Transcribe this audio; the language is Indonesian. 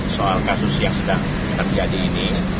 soal kasus yang sudah terjadi ini